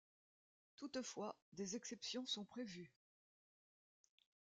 Toutefois, des exceptions sont prévues.